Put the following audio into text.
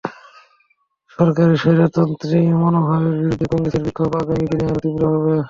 সরকারের স্বৈরতন্ত্রী মনোভাবের বিরুদ্ধে কংগ্রেসের বিক্ষোভ আগামী দিনে আরও তীব্র হবে।